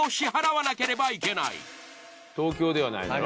東京ではないだろ？